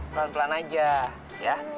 pelan pelan aja ya